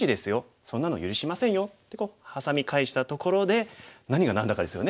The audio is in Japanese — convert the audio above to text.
そんなの許しませんよ」ってハサミ返したところで何が何だかですよね。